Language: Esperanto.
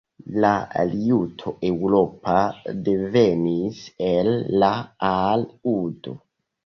La liuto eŭropa devenis el la al-udo.